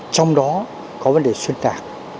trong đó có vấn đề xuyên tạc